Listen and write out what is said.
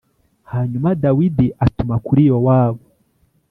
Hanyuma Dawidi atuma kuri Yowabu